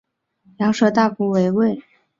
羊舌大夫为尉。